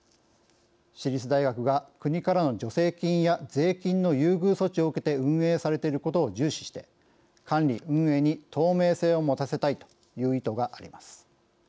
私立大学が国からの助成金や税金の優遇措置を受けて運営されていることを重視して管理・運営に透明性を持たせたいという意図があります。